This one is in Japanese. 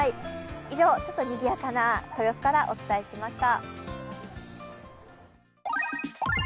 以上、ちょっとにぎやかな豊洲からお伝えしました。